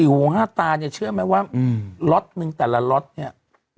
๔หัว๕ตาเชื่อมั้ยว่าลตนึงแต่ละลตเนี่ย